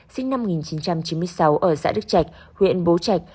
sinh năm một nghìn chín trăm chín mươi sáu ở xã đức trạch huyện bố trạch